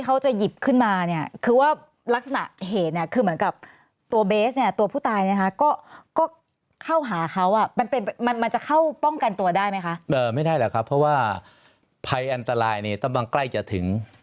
ไม่ได้หรอกครับเพราะว่าภัยอันตรายเนี่ยตั้งต่างใกล้จะถึง